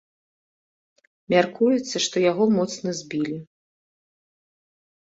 Мяркуецца, што яго моцна збілі.